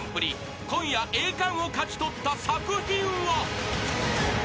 ［今夜栄冠を勝ち取った作品は］